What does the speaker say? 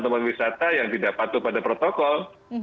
tempat wisata yang tidak patuh pada protokol